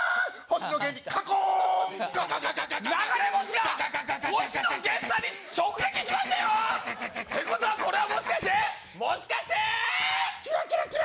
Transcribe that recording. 星野源さんに直撃しましたよ。ってことはこれはもしかして、きらきらきら。